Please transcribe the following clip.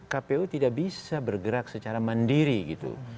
kpu tidak bisa bergerak secara mandiri gitu